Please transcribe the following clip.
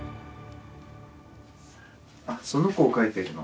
あその子を描いてるの？